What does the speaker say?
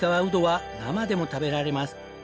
うどは生でも食べられます。